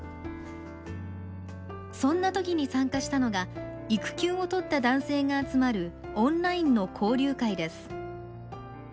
そんなときに参加したのが育休を取った男性が集まるオンラインの交流会です。